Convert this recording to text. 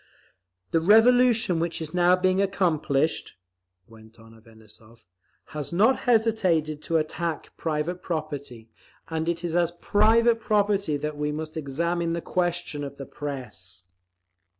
"The revolution which is now being accomplished," went on Avanessov, "has not hesitated to attack private property; and it is as private property that we must examine the question of the Press…."